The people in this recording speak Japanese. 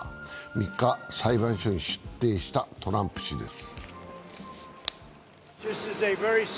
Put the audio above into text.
３日、裁判所に出廷したトランプ氏です。